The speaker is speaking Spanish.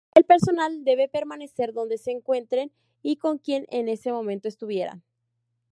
El personal debe permanecer donde se encuentren -y con quien en ese momento estuvieran-.